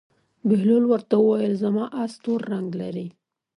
بهلول ورته وویل: زما اس تور رنګ لري.